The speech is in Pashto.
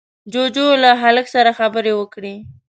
جُوجُو له هلک سره خبرې وکړې.